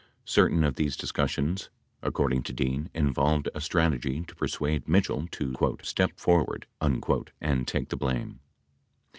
Certain of these discussions, according to Dean, involved a strategy to persuade Mitchell to "step forward" and take the blame.